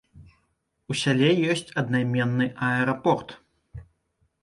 У сяле ёсць аднайменны аэрапорт.